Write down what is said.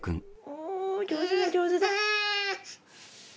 おお上手だ上手だ。